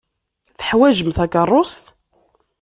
Teḥwajem takeṛṛust?